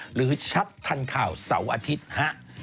หรือชัดทันข่าวเสาร์อาทิตย์ฮะ